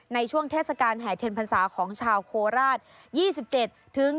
เทศกาลแห่เทียนพรรษาของชาวโคราช๒๗